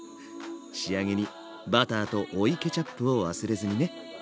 仕上げにバターと追いケチャップを忘れずにね。